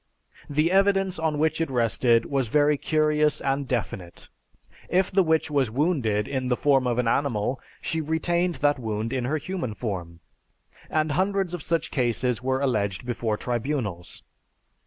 The evidence on which it rested was very curious and definite. If the witch was wounded in the form of an animal, she retained that wound in her human form, and hundreds of such cases were alleged before tribunals.